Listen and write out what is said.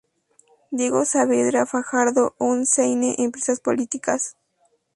Diego Saavedra Fajardo und seine Empresas Políticas".